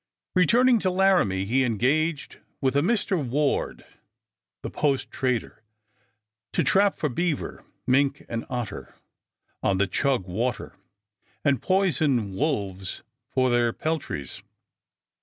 Returning to Laramie he engaged with a Mr. Ward, the post trader, to trap for beaver, mink, and otter on the Chug Water, and poison wolves for their peltries.